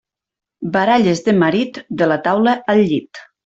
Baralles de marit, de la taula al llit.